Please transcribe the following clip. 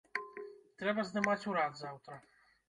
Трэба здымаць урад заўтра.